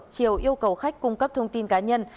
triều yêu cầu khách cung cấp thông tin cá nhân